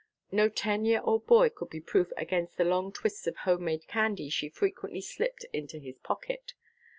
No ten year old boy could be proof against the long twists of homemade candy she frequently slipped into his pocket.